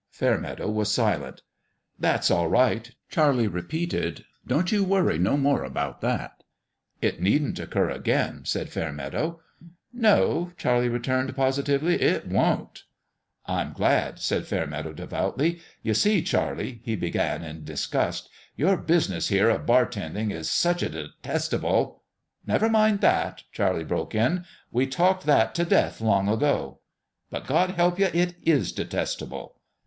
Fairmeadow was silent. " That's all right !" Charlie repeated. " Don't you worry no more about that." " It needn't occur again," said Fairmeadow. " No," Charlie returned, positively ;" it ztwn'tS" "I'm glad," said Fairmeadow, devoutly. "You see, Charlie," he began, in disgust, " your business here of bartending is such a detestable "" Never mind that," Charlie broke in ;" we talked that t' death long ago." " But God help you, it is detestable